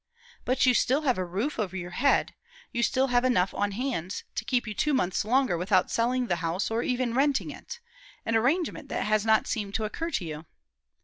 But you still have a roof over your head, you still have enough on hands to keep you two months longer without selling the house or even renting it an arrangement that has not seemed to occur to you."